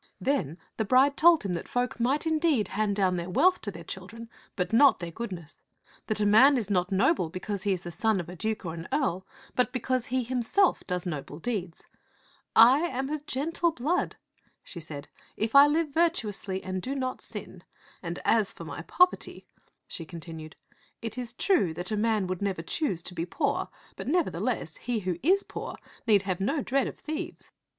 Then the bride told him that folk might indeed hand down their wealth to their children, but not their goodness ; that a man is not noble because he is the son of a duke or an earl, but because he himself does noble deeds. " I am of gentle blood," she said, " if I live virtuously and do not sin. And as for my poverty," she continued, " it is true that a man would never choose to be poor ; but, nevertheless, he who is poor need have no dread of thieves.